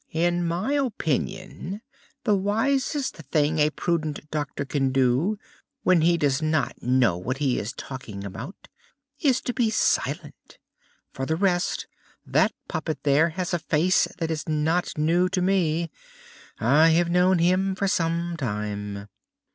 "In my opinion, the wisest thing a prudent doctor can do, when he does not know what he is talking about, is to be silent. For the rest, that puppet there has a face that is not new to me. I have known him for some time!"